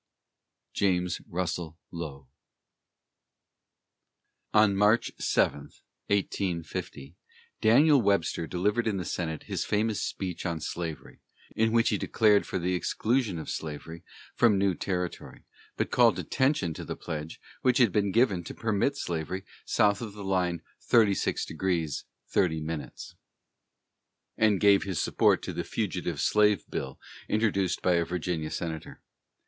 JAMES RUSSELL LOWELL. On March 7, 1850, Daniel Webster delivered in the Senate his famous speech on slavery, in which he declared for the exclusion of slavery from new territory, but called attention to the pledge which had been given to permit slavery south of the line of 36° 30´, and gave his support to the fugitive slave bill introduced by a Virginia senator.